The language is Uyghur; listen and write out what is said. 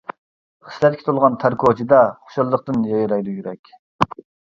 خىسلەتكە تولغان تار كوچىدا، خۇشاللىقتىن يايرايدۇ يۈرەك.